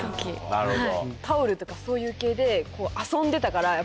なるほど。